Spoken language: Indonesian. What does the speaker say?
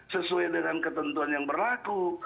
sesuai dengan ketentuan yang berlaku